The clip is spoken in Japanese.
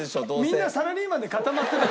みんなサラリーマンで固まってたから。